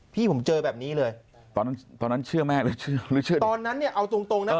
พี่ผมเจอแบบนี้เลยตอนนั้นเชื่อแม่เอาตรงนะ